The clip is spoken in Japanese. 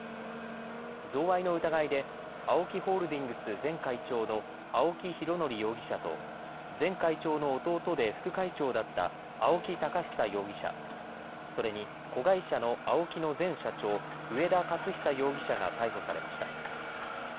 贈賄の疑いでＡＯＫＩホールディングス前会長の青木拡憲容疑者と前会長の弟で副会長だった青木寶久容疑者、それに子会社のＡＯＫＩの前社長、上田雄久容疑者が逮捕されました。